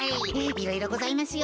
いろいろございますよ！